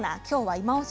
「いまオシ！